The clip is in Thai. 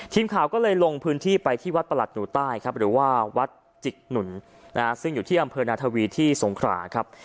ทีมข่าวก็เลยลงพื้นที่ไปที่วัดประหลัดหนูใต้ครับหรือว่าวัดจิกหนุนซึ่งอยู่ที่อำเภอนาทวีที่สงขราครับ